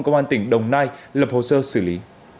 công an tỉnh đồng nai lập hồ sơ xử lý